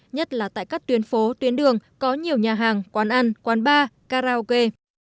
nhất là tại các tuyến phố tuyến đường có nhiều nhà hàng quán ăn quán bar karaoke